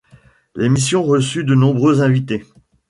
L'émission reçut de nombreux invités.